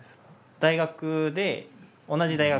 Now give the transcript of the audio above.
大学で同じ大学。